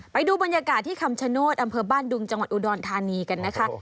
ไปดูบรรยากาศที่คำชโนธอำเภอบ้านดุงจังหวัดอุดรธานีกันนะคะ